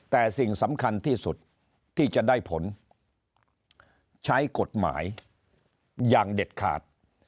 แต่สิ่งสำคัญที่สุดที่จะได้ผลใช้กฎหมายอย่างเด็ดขาด